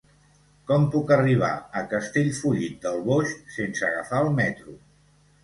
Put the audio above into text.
Com puc arribar a Castellfollit del Boix sense agafar el metro?